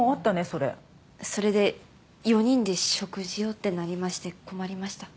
それそれで４人で食事をってなりまして困りました